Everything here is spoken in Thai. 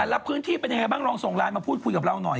แล้วพื้นที่เป็นยังไงบ้างลองส่งไลน์มาพูดคุยกับเราหน่อย